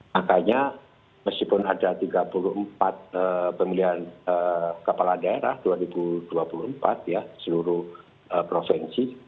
makanya meskipun ada tiga puluh empat pemilihan kepala daerah dua ribu dua puluh empat ya seluruh provinsi